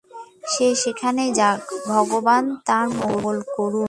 সে যেখানেই যাক, ভগবান তার মঙ্গল করুন।